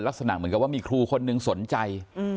ลักษณะเหมือนกับว่ามีครูคนนึงสนใจ